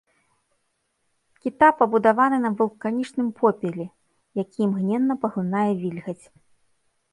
Кіта пабудаваны на вулканічным попеле, які імгненна паглынае вільгаць.